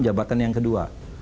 jabatan yang kedua